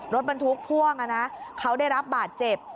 รถบรรทุกพ่วงเขาได้รับบาดเจ็บ